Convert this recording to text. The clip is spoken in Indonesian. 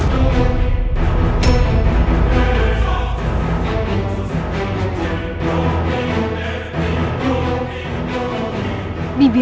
aku sering bunny